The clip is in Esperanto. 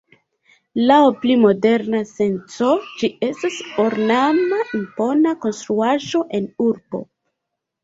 Laŭ pli moderna senco ĝi estas ornama impona konstruaĵo en urbo.